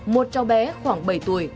một cháu bé khoảng bảy tuổi